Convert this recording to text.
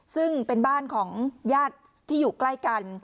ซึ่งเป็นบ้านของญาติที่อยู่ใกล้กัน